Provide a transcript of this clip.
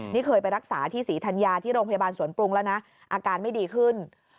นี่เคยไปรักษาที่ศรีธัญญาที่โรงพยาบาลสวนปรุงแล้วนะอาการไม่ดีขึ้น